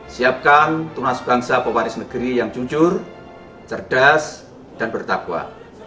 siapkan tunas bangsa pewaris negeri yang jujur cerdas dan bertakwa